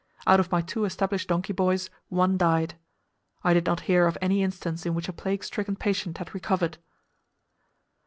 Out of my two established donkey boys, one died. I did not hear of any instance in which a plague stricken patient had recovered.